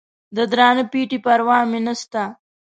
د درانه پېټي پروا مې نسته.